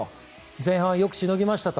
前半はよくしのぎましたよと。